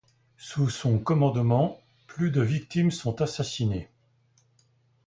Sous son commandement, plus de victimes sont assassinées.